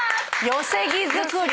寄木造り。